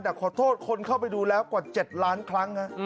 แต่ขอโทษคนเข้าไปดูแล้วกว่า๗ล้านครั้ง